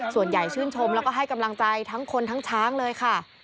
ส่วนใหญ่ชื่นชมแล้วก็ให้กำลังใจทั้งคนทั้งช้างเลยค่ะ